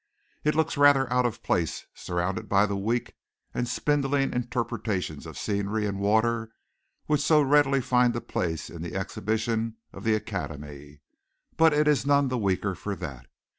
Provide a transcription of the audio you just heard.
It looks rather out of place surrounded by the weak and spindling interpretations of scenery and water which so readily find a place in the exhibition of the Academy, but it is none the weaker for that.